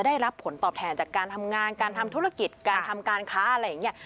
อยากจะสนับสนุนการศึกษาของประเทศไทย